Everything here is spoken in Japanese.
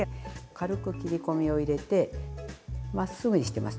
軽く切り込みを入れてまっすぐにしてます。